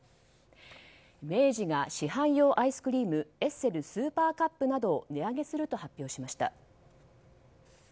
明治が市販用アイスクリームエッセルスーパーカップなどを値上げすると発表しました。